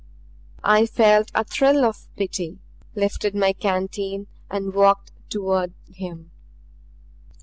I felt a thrill of pity; lifted my canteen and walked toward him.